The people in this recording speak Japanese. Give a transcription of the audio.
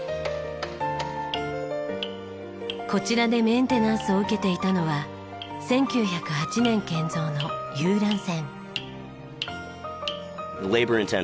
こちらでメンテナンスを受けていたのは１９０８年建造の遊覧船。